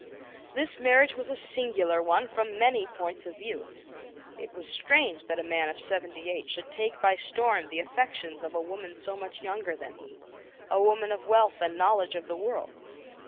This marriage was a singular one from many points of view. It was strange that a man of seventy eight should take by storm the affections of a woman so much younger than he a woman of wealth and knowledge of the world.